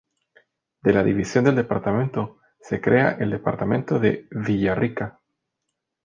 De la división del Departamento, se crea el Departamento de Villarrica.